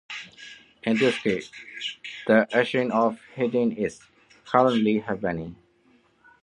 In this case, the action of hitting is currently happening.